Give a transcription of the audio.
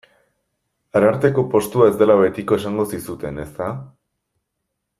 Ararteko postua ez dela betiko esango zizuten, ezta?